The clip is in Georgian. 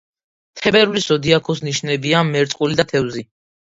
თებერვლის ზოდიაქოს ნიშნებია მერწყული და თევზები.